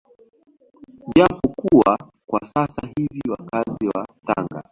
Japo kuwa kwa sasa hivi wakazi wa Tanga